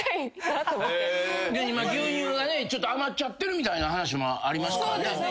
今牛乳がね余っちゃってるみたいな話もありますからね。